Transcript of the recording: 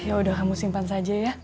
ya udah kamu simpan saja ya